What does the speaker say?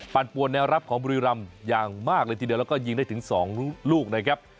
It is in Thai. ปวนแนวรับของบุรีรำอย่างมากเลยทีเดียวแล้วก็ยิงได้ถึง๒ลูกนะครับ